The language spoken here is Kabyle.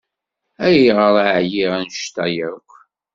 Ayɣer ay ɛyiɣ anect-a akk?